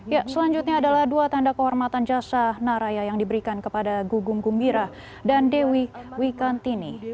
ya selanjutnya adalah dua tanda kehormatan jasa naraya yang diberikan kepada gugung gumbira dan dewi wikantini